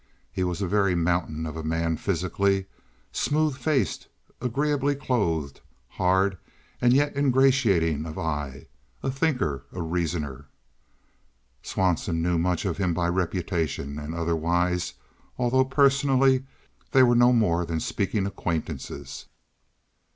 He was a very mountain of a man physically—smooth faced, agreeably clothed, hard and yet ingratiating of eye, a thinker, a reasoner. Swanson knew much of him by reputation and otherwise, although personally they were no more than speaking acquaintances.